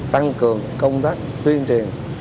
tăng cường công tác tuyên truyền